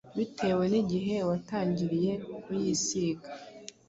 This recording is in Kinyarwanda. bitewe n’igihe watangiriye kuyisiga.